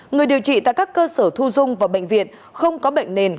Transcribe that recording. người điều trị tại các cơ sở thu dung và bệnh viện không có bệnh nền